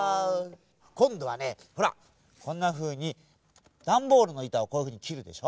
こんどはねほらこんなふうにだんボールのいたをこういうふうにきるでしょ。